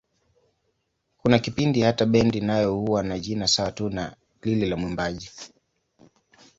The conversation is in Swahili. Kuna kipindi hata bendi nayo huwa na jina sawa tu na lile la mwimbaji.